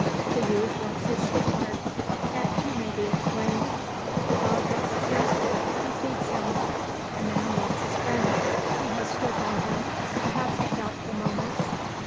The youth loves his sweetheart; that too may be explained. The dog loves his master; he feeds him; a man loves his friend; he has stood by him perhaps at doubtful moments.